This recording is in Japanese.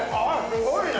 すごいね。